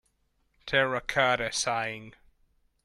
Terracotta Sighing.